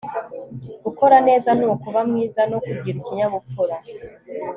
gukora neza ni ukuba mwiza no kugira ikinyabupfura